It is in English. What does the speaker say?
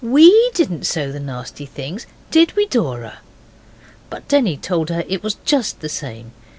WE didn't sow the nasty things, did we, Dora?' But Denny told her it was just the same.